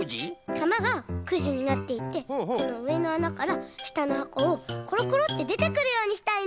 たまがくじになっていてこのうえのあなからしたのはこをコロコロってでてくるようにしたいの。